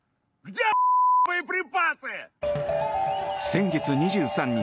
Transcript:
先月２３日